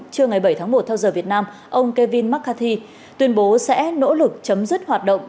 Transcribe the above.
trưa ngày bảy tháng một theo giờ việt nam ông kevin mccarthy tuyên bố sẽ nỗ lực chấm dứt hoạt động